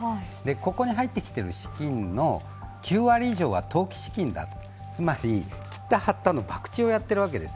ここに入ってきている資金の９割以上が投機資金、つまり切った張ったのばくちをやってるわけです。